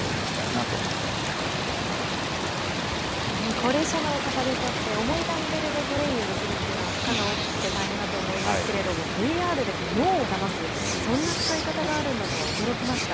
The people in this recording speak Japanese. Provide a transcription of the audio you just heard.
高齢者の方にとって重いダンベルでトレーニングするっていうのは、負荷が大きくて大変だと思いますけれども、ＶＲで脳をだます、そんな使い方があるんだとは驚きました。